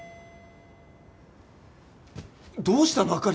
どうしたの？